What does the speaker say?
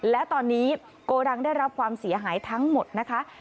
และตอนนี้โกดังได้รับความเสียหายทั้งหมดนะคะ